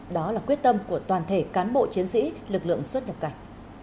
đó là quyết tâm của toàn thể cán bộ chiến sĩ lực lượng xuất nhập cảnh